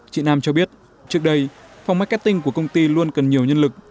chị nam cho biết trước đây phòng marketing của công ty luôn cần nhiều nhân lực